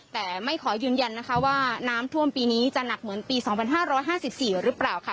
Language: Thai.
แต่ไม่ขอยืนยันนะคะว่าน้ำท่วมปีนี้จะหนักเหมือนปี๒๕๕๔หรือเปล่าค่ะ